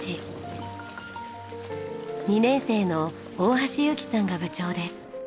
２年生の大橋悠貴さんが部長です。